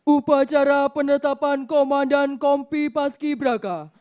upacara penetapan komandan kompi paski braka